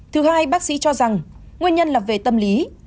thứ hai bác sĩ cho rằng nguyên nhân là về tâm lý